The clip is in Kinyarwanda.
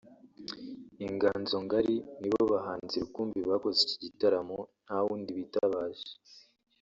Inganzo Ngari nibo bahanzi rukumbi bakoze iki gitaramo nta wundi bitabaje